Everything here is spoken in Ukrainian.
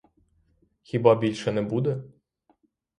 Хіба більше не буде?